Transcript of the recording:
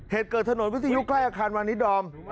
เหตุเกิดถนนวิทยุใกล้อาคารวานิดดอม